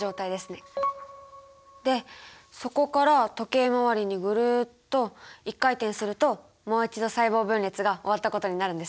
でそこから時計回りにぐるっと１回転するともう一度細胞分裂が終わったことになるんですね。